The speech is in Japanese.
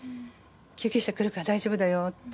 救急車が来るから大丈夫だよって。